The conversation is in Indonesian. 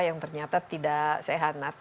yang ternyata tidak sehat